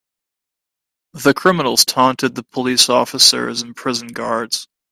The criminals taunted the police officers and prison guards.